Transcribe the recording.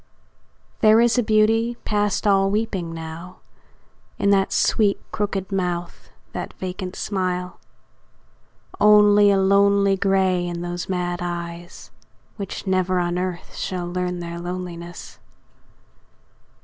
There is a beauty past all weeping now In that sweet, crooked mouth, that vacant smile; Only a lonely grey in those mad eyes, Which never on earth shall learn their loneliness.